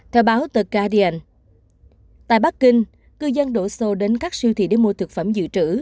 theo báo tờ caden tại bắc kinh cư dân đổ xô đến các siêu thị để mua thực phẩm dự trữ